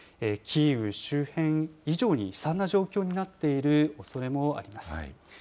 キーウ周辺以上に悲惨な状況になっているおそれもあります。